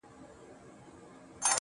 د قبر ته څو پېغلو څو زلميو ماښام